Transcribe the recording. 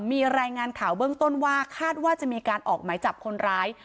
มีรายงานข่าวเบื้องต้นว่าคาดว่าจะมีการออกหมายจับคนร้าย